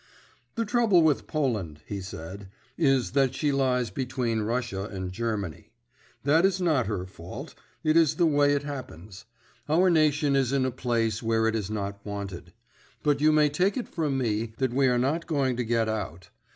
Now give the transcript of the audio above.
"The trouble with Poland," he said, "is that she lies between Russia and Germany. That is not her fault; it is the way it happens. Our nation is in a place where it is not wanted; but you may take it from me that we are not going to get out.